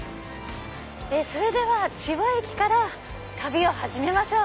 千葉駅から旅を始めましょう。